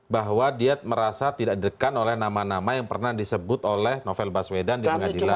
bahwa dia merasa tidak didekan oleh nama nama yang pernah disebut oleh novel baswedan di pengadilan